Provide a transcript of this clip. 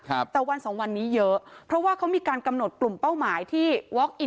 ครับแต่วันสองวันนี้เยอะเพราะว่าเขามีการกำหนดกลุ่มเป้าหมายที่วอคอิน